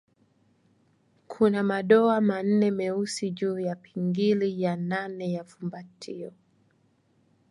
Kuna madoa manne meusi juu ya pingili ya nane ya fumbatio.